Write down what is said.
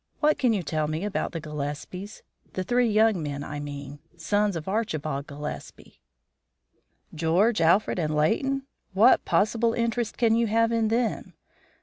What can you tell me about the Gillespies? the three young men I mean, sons of Archibald Gillespie." "George, Alfred, and Leighton? What possible interest can you have in them?